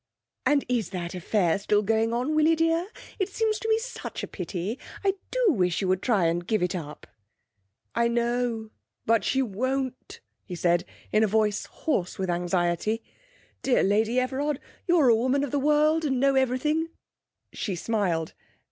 'And is that affair still going on, Willie dear? It seems to me such a pity. I do wish you would try and give it up.' 'I know, but she won't,' he said in a voice hoarse with anxiety. 'Dear Lady Everard, you're a woman of the world, and know everything ' She smiled.